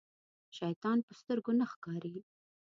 شيطان په سترګو نه ښکاري.